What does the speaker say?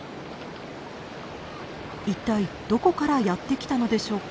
いったいどこからやって来たのでしょうか？